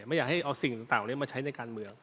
ไม่อยากให้เอาสิ่งต่างเหล่านี้มาใช้ในการเมือง